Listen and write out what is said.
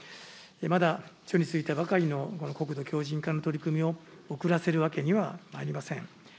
まだ緒に就いたばかりのこの国土強じん化の取り組みを遅らせるわけにはまいりません。